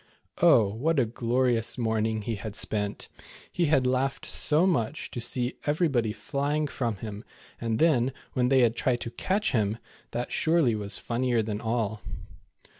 Oh, what a glorious morn ing he had spent. He had laughed so much to see everybody fiying from him, and then, when they had tried to catch him, that surely was fun nier than all.